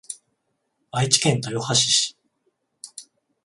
愛知県豊橋市